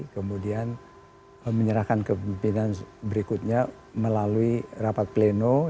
kemudian menyerahkan kepimpinan berikutnya melalui rapat pleno